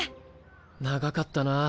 長かったな。